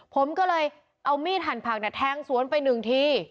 ผมก็เลยเอามีดหั่นผักแทงสวนไปหนึ่งที